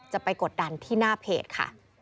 ไปกดดันที่หน้าเพจค่ะ